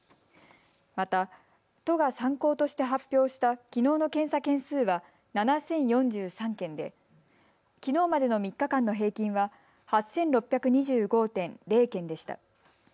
また都が参考として発表したきのうの検査件数は７０４３件できのうまでの３日間の平均は８６２５．０件でした。